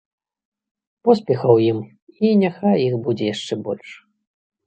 Поспехаў ім і няхай іх будзе яшчэ больш.